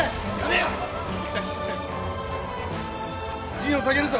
陣を下げるぞ。